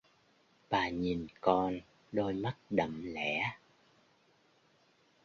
Bà nhìn con đôi mắt đậm lẻ